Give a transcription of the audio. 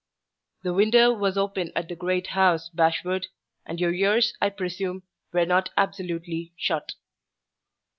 "The window was open at the great house, Bashwood; and your ears, I presume, were not absolutely shut."